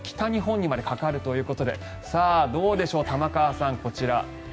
とうとう北日本にまでかかるということでどうでしょう、玉川さんこちら。